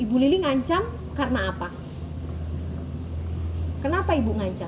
ibu lili ngancam karena apa kenapa ibu ngancam